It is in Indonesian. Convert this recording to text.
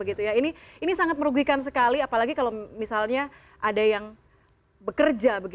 ini sangat merugikan sekali apalagi kalau misalnya ada yang bekerja